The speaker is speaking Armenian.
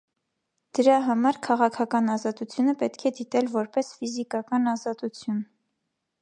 Դրա համար քաղաքական ազատությունը պետք է դիտել որպես ֆիզիկական ազատություն։